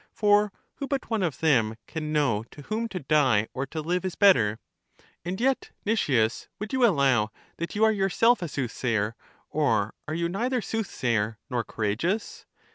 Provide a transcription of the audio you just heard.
For who but one of them can know to whom to die or to live is better? And yet, Nicias, would you allow that you are your self a soothsayer, or are you neither soothsayer nor courageous?